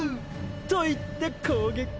と言って攻撃。